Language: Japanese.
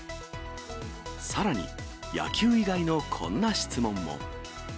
さらに、野球以外のこんな質問も。